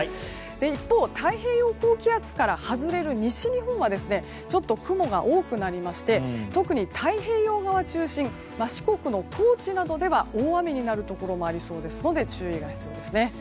一方、太平洋高気圧から外れる西日本はちょっと雲が多くなりまして特に太平洋側を中心に四国の高知などでは大雨になるところもありそうですので注意が必要ですね。